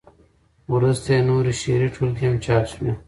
وروسته یې نورې شعري ټولګې هم چاپ شوې.